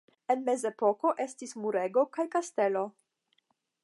En Mezepoko estis murego kaj kastelo.